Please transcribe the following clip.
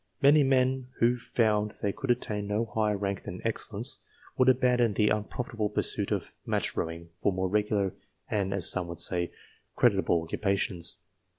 Many men who found they could attain no higher rank than " excellence/' would abandon the unprofitable pursuit of match rowing for more regular and, as some would say, creditable occu pations.